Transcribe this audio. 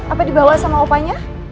apa dibawa sama opanya